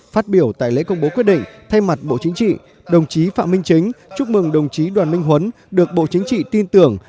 phát biểu tại lễ công bố quyết định thay mặt bộ chính trị đồng chí phạm minh chính chúc mừng đồng chí đoàn minh huấn được bộ chính trị tin tưởng